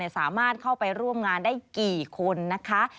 สามารถเข้าไปร่วมงานได้กี่คนนะคะ